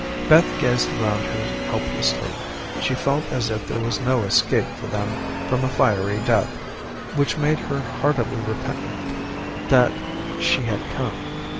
Beth gazed around her helplessly. She felt as if there was no escape for them from a fiery death, which made her heartily repentant that she had come.